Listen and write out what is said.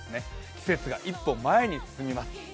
季節が一歩前に進みます。